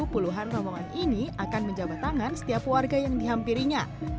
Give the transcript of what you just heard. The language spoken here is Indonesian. puluhan rombongan ini akan menjabat tangan setiap warga yang dihampirinya